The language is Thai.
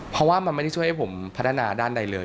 เพราะว่ามันไม่ได้ช่วยให้ผมพัฒนาด้านใดเลย